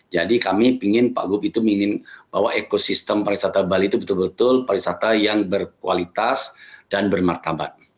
jadi kami pak gop itu ingin bahwa ekosistem pariwisata bali itu betul betul pariwisata yang berkualitas dan bermartabat